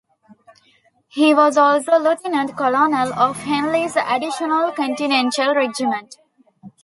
He was also Lieutenant-Colonel of Henley's Additional Continental Regiment.